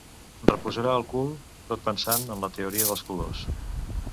Reposarà el cul tot pensant en la teoria dels colors.